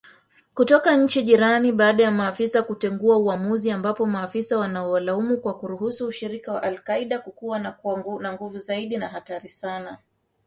Kutoka nchi jirani baada ya maafisa kutengua uamuzi ambao maafisa wanalaumu kwa kuruhusu ushirika wa alkaida kukua na kuwa na nguvu zaidi na hatari sana